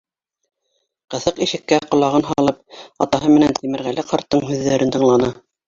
Ҡыҫыҡ ишеккә ҡолағын һалып, атаһы менән Тимерғәле ҡарттың һүҙҙәрен тыңланы.